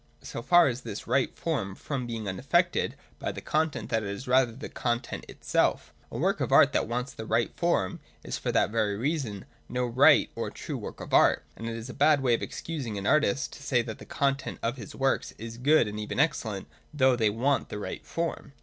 So far is this right form from being unaffected by the content that it is rather the content itself. A work of art that wants the right form is for that very reason no right or true work of art : and it is a bad way of excusing an artist, to say that the content of his works is good and even excellent, though they want the right form.